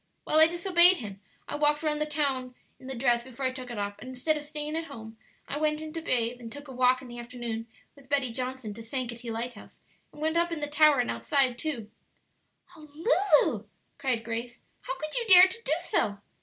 Well, I disobeyed him; I walked round the town in the dress before I took it off, and instead of staying at home I went in to bathe, and took a walk in the afternoon with Betty Johnson to Sankaty Lighthouse, and went up in the tower and outside too." "Oh, Lulu!" cried Grace, "how could you dare to do so?"